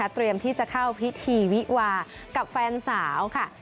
เตรียมที่จะเข้าพิธีวิวากับแฟนสาวค่ะ